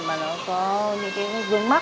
mà nó có những cái vương mắt